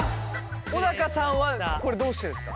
小高さんはこれどうしてですか？